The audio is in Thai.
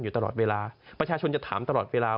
อยู่ตลอดเวลาประชาชนจะถามตลอดเวลา